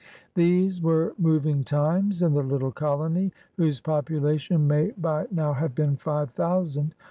These were moving times in the little colony whose population may by now have been five thousand.